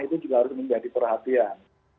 itu juga harus menjadi perhatian